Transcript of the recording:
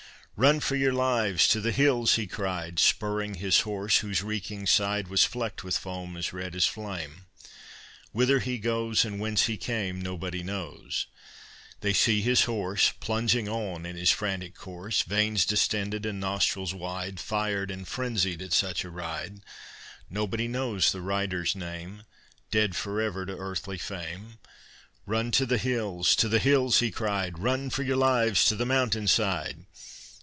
"Run for your lives to the hills!" he cried, Spurring his horse, whose reeking side Was flecked with foam as red as flame. Whither he goes and whence he came Nobody knows. They see his horse Plunging on in his frantic course, Veins distended and nostrils wide, Fired and frenzied at such a ride. Nobody knows the rider's name Dead forever to earthly fame. "Run to the hills! to the hills!" he cried; "Run for your lives to the mountain side!"